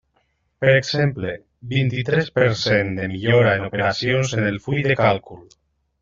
Per exemple, vint-i-tres per cent de millora en operacions en el full de càlcul.